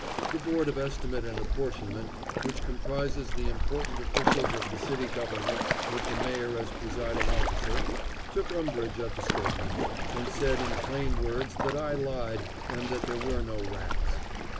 The Board of Estimate and Apportionment, which comprises the important officials of the city Government with the Mayor as presiding officer, took umbrage at the statement, and said in plain words that I lied and that there were no rats.